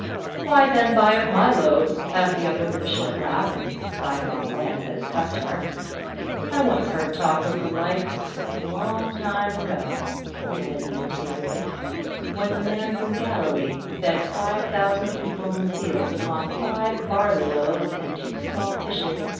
"Why then buy of my loaves?" asked the other with a short laugh and a sidelong glance at his cus tomer. " I once heard talk of the like — a long time ago," he added meditatively, " when the man from Galilee fed five thousand people in the fields upon five barley loaves and two small fishes.